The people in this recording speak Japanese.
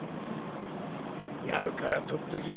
やるから取っとけ」。